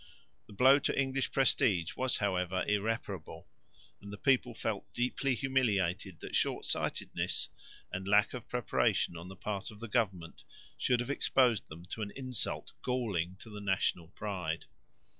The blow to English prestige was however irreparable, and the people felt deeply humiliated that short sightedness and lack of preparation on the part of the government should have exposed them to an insult galling to the national pride.